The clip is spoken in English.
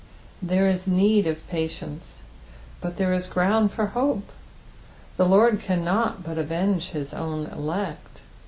There is need of patience, but there is ground for hope. The Lord cannot but avenge his own elect.